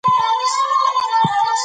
افغانستان د ځنګلونه کوربه دی.